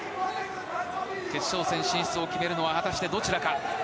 決勝戦進出を決めるのは果たしてどちらか。